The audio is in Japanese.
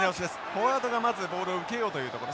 フォワードがまずボールを受けようというところ。